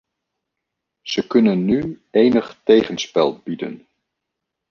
Ze kunnen nu enig tegenspel bieden.